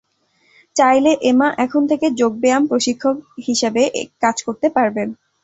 চাইলে এমা এখন থেকে যোগ ব্যায়াম প্রশিক্ষক হিসেবে কাজ করতে পারবেন।